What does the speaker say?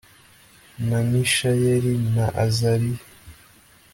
na mishayeli na azariya